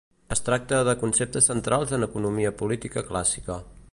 Es tracta de conceptes centrals en economia política clàssica.